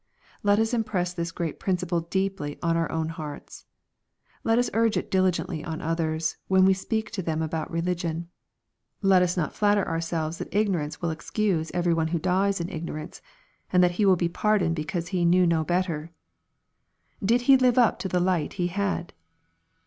Let us impress this great principle deeply on our own hearts. Let us urge it diligently on others, when we speak to them about religion. Let us not flatter our selves that ignorance will excuse every one who dies in ignorance, and that he will be pardoned because he knew no better I — Did he live up to the light he had